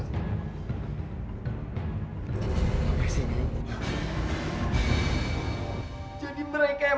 sekarang abang tinggal di kamar aku aja ya